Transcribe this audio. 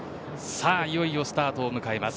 いよいよスタートを迎えます。